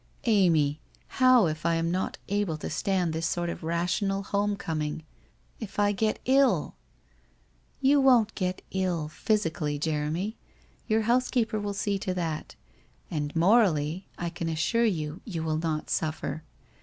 ' Amy, how, if I am not able to stand this sort of rational home com ing? If I get ill?' * You won't get ill — physically, Jeremy. Your house keeper will see to that. And morally, I can assure you, you will not suffer.